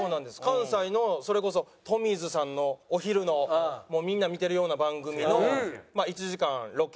関西のそれこそトミーズさんのお昼のみんな見てるような番組の１時間ロケとスタジオ。